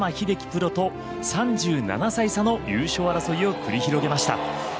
プロと３７歳差の優勝争いを繰り広げました。